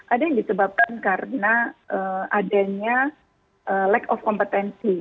ada yang disebabkan karena adanya lack of kompetensi